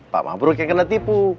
pak mafruk yang kena tipu